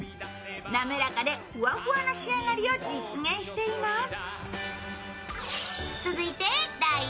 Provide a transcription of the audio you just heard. なめらかでふわふわな仕上がりを実現しています。